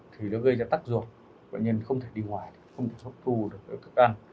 thì nó gây ra tắc ruột bệnh nhân không thể đi ngoài không thể thuốc thu được được ăn